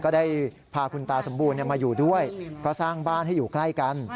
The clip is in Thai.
ก็ได้พาคุณตาสมบูรณ์มาอยู่ด้วยก็สร้างบ้านให้อยู่ใกล้กัน